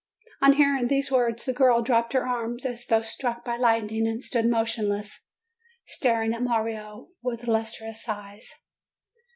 On hearing these words, the girl dropped her arms, as though struck by lightning, and stood motionless, staring at Mario with lustreless eyes.